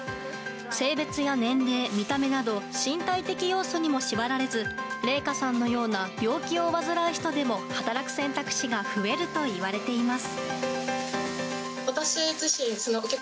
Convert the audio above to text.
性別や年齢、見た目など身体的要素にも縛られずれいかさんのような病気を患う人でも働く選択肢が増えるといわれています。